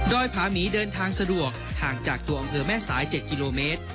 โดยผาหมีเดินทางสะดวกห่างจากตัวอำเภอแม่สาย๗กิโลเมตร